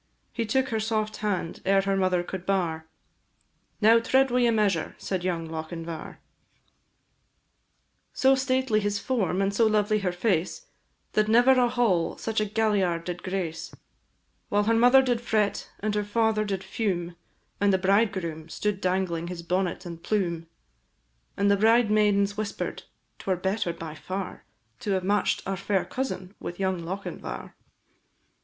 He took her soft hand, ere her mother could bar "Now tread we a measure!" said young Lochinvar. So stately his form, and so lovely her face, That never a hall such a galliard did grace; While her mother did fret, and her father did fume, And the bridegroom stood dangling his bonnet and plume; And the bride maidens whisper'd, "'Twere better, by far, To have match'd our fair cousin with young Lochinvar."